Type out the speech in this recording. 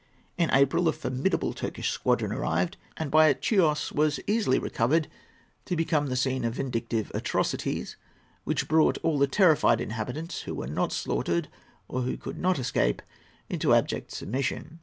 In April a formidable Turkish squadron arrived, and by it Chios was easily recovered, to become the scene of vindictive atrocities, which brought all the terrified inhabitants who were not slaughtered, or who could not escape, into abject submission.